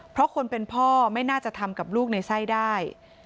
เพราะคนเป็นพ่อไม่น่าจะทำกับลูกในไส้ได้